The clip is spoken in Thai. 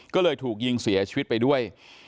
ก็เลยถูกยิงเสียชีวิตไปด้วย